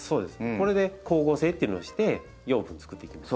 これで光合成っていうのをして養分作っていきます。